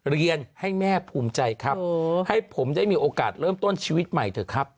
เรียนให้แม่ภูมิใจครับให้ผมได้มีโอกาสเริ่มต้นชีวิตใหม่เถอะครับ